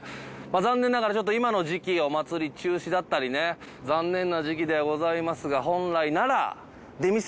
残念ながら今の時期お祭り中止だったりね残念な時期ではございますが。